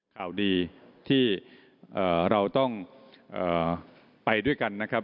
ข่าวดีที่เอ่อเราต้องเอ่อไปด้วยกันนะครับ